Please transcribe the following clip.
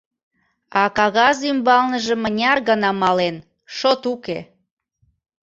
А кагаз ӱмбалныже мыняр гана мален — шот уке!